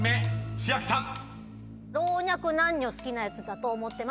［千秋さん］